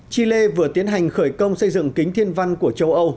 chile vừa tiến hành khởi công xây dựng kính thiên văn của châu âu